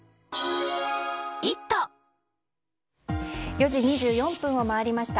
４時２４分を回りました。